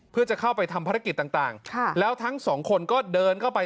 เพื่อจะเข้าไปทำภารกิจต่างแล้วทั้งสองคนก็เดินเข้าไป